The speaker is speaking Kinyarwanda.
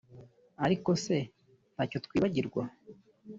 Ariko se ntacyo twibagirwa